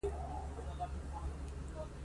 پمپ سټېشنونو کارکوونکي دي.